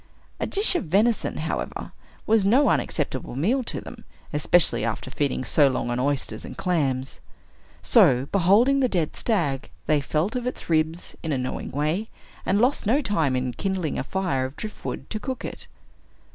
A dish of venison, however, was no unacceptable meal to them, especially after feeding so long on oysters and clams. So, beholding the dead stag, they felt of its ribs, in a knowing way, and lost no time in kindling a fire of driftwood, to cook it.